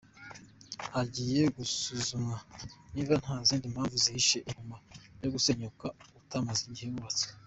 Hagiye gusuzumwa niba nta zindi mpamvu zihishe inyuma yo gusenyuka utamaze igihe wubatswe.